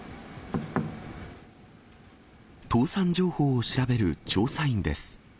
倒産情報を調べる調査員です。